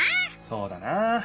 そうだな！